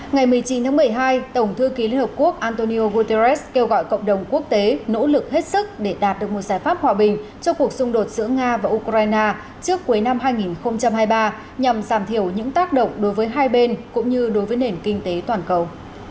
ngày một mươi chín tháng một mươi hai tổng thư ký liên hợp quốc antonio guterres kêu gọi cộng đồng quốc tế nỗ lực hết sức để đạt được một giải pháp hòa bình cho cuộc xung đột giữa nga và ukraine trước cuối năm hai nghìn hai mươi ba nhằm giảm thiểu những tác động đối với hai bên cũng như đối với nền kinh tế toàn cầu